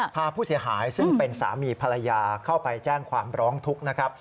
พาผู้เสียหายซึ่งเป็นสามีภรรยาเข้าไปแจ้งความร้องทุกข์นะครับ